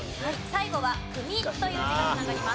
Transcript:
最後は「組」という字が繋がります。